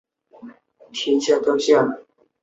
德光岛上设有训练新兵的基本军事训练中心。